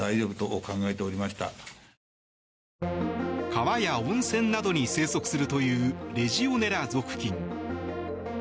川や温泉などに生息するというレジオネラ属菌。